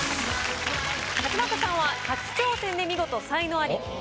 勝俣さんは初挑戦で見事才能アリ。